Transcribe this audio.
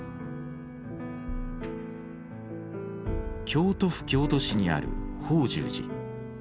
京都府京都市にある法住寺。